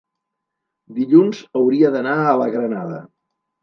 dilluns hauria d'anar a la Granada.